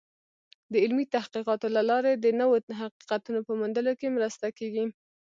د علمي تحقیقاتو له لارې د نوو حقیقتونو په موندلو کې مرسته کېږي.